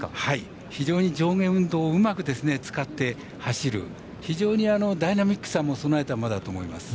上下運動を非常に使って走る、非常にダイナミックさを備えた馬だと思います。